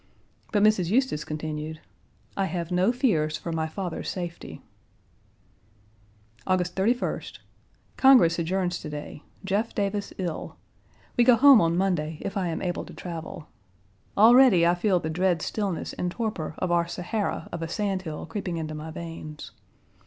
But Mrs. Eustis continued, "I have no fears for my father's safety." August 31st. Congress adjourns to day. Jeff Davis ill. We go home on Monday if I am able to travel. Already I feel the dread stillness and torpor of our Sahara of a Sand Hill creeping into my veins.